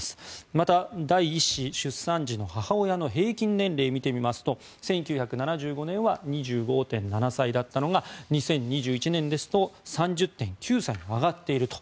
また、第１子出産時の母親の平均年齢を見てみますと１９７５年は２５．７歳だったのが２０２１年ですと３０．９歳に上がっていると。